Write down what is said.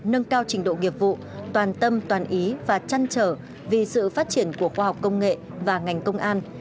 nâng cao trình độ nghiệp vụ toàn tâm toàn ý và chăn trở vì sự phát triển của khoa học công nghệ và ngành công an